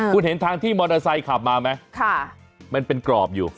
คุณเห็นทางที่มอเตอร์ไซค์ขับมาไหมมันเป็นกรอบอยู่